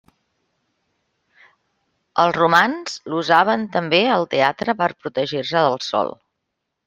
Els romans l'usaven també al teatre per protegir-se del sol.